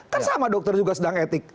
kan sama dokter juga sedang etik